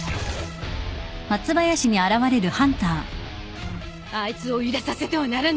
あいつを入れさせてはならぬ！